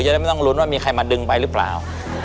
ได้ไม่ต้องลุ้นว่ามีใครมาดึงไปหรือเปล่า